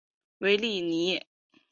韦里尼。